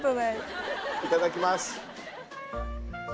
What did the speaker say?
いただきます。